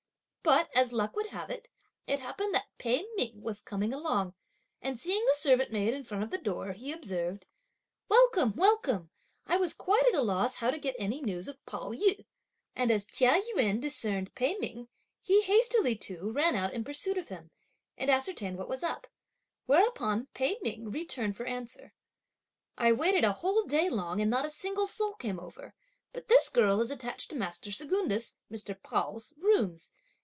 But, as luck would have it, it happened that Pei Ming was coming along, and seeing the servant maid in front of the door, he observed: "Welcome, welcome! I was quite at a loss how to get any news of Pao yü." And as Chia Yün discerned Pei Ming, he hastily too, ran out in pursuit of him, and ascertained what was up; whereupon Pei Ming returned for answer: "I waited a whole day long, and not a single soul came over; but this girl is attached to master Secundus' (Mr. Pao's) rooms!"